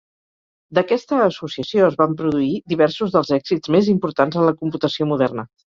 D'aquesta associació es van produir diversos dels èxits més importants en la computació moderna.